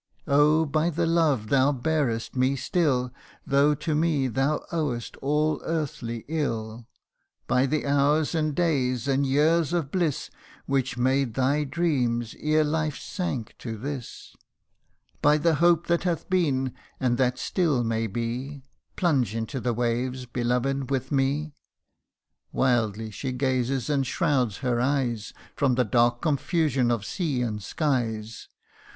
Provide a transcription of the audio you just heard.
Oh ! by the love thou bear'st ine still, Though to me thou owest all earthly ill ; By the hours, and days, and years of bliss Which made thy dreams, ere life sank to this ; By the hope that hath been, and that still may be, Plunge into the waves, beloved, with me." Wildly she gazes, and shrouds her eyes From the dark confusion of sea and skies.